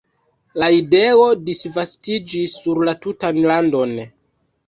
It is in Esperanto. La ideo disvastiĝis sur la tutan landon.